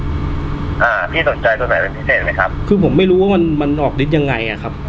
ใหม่เป็นพิเศษไหมครับคือผมไม่รู้ว่ามันมันออกฤทธิ์ยังไงอ่ะครับ